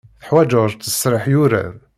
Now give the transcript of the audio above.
Teḥwajeḍ ttesriḥ yuran.